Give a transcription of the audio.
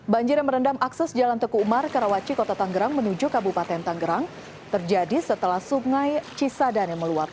banjir yang merendam akses jalan teguh umar kerawaci kota tangerang menuju kabupaten tangerang terjadi setelah sungai cisadane meluap